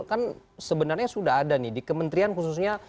kan sebenarnya sudah ada di kementrian khususnya